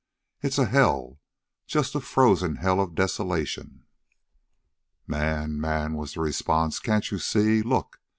"It's a hell! Just a frozen hell of desolation." "Man man!" was the response, "can't you see? Look!